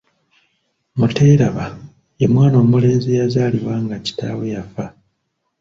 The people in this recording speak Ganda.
Muteeraba ye mwana omulenzi azaalibwa nga kitaawe yafa.